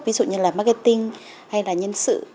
ví dụ như là marketing hay là nhân sự